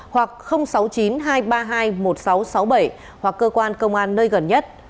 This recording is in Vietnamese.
hoặc sáu mươi chín hai trăm ba mươi hai một nghìn sáu trăm sáu mươi bảy hoặc cơ quan công an nơi gần nhất